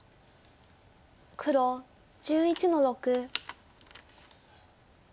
黒１１の六。